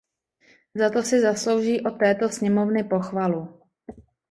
Za to si zaslouží od této sněmovny pochvalu.